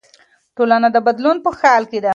ټولنه د بدلون په حال کې ده.